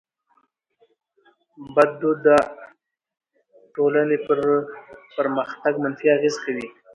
بد دود د ټټولني پر پرمختګ منفي اغېز کوي.